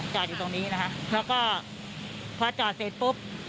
จอดอยู่ตรงนี้นะคะแล้วก็พอจอดเสร็จปุ๊บ